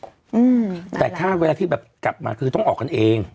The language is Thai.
อืมแต่ถ้าเวลาที่แบบกลับมาคือต้องออกกันเอง